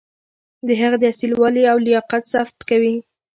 د هغه د اصیل والي او لیاقت صفت کوي.